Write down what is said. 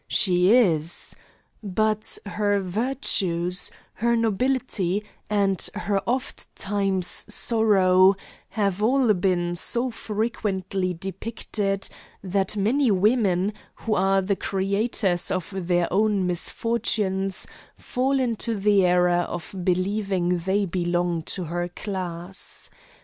She is. But her virtues, her nobility, and her ofttimes sorrow, have all been so frequently depicted, that many women who are the creators of their own misfortunes, fall into the error of believing they belong to her class.